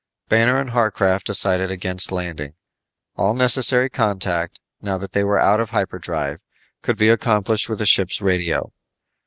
Banner and Harcraft decided against landing. All necessary contact, now that they were out of hyperdrive, could be accomplished with the ship's radio.